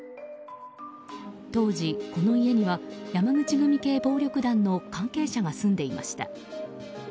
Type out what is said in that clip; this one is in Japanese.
当時、この家には山口組系暴力団の関係者が住んでいました。